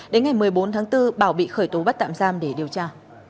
đến ngày một mươi bốn tháng bốn bảo bị khởi tố bắt tạm giam để điều tra